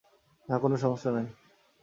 না, কোন সমস্যা নাই।